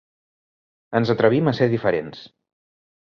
Ens atrevim a ser diferents.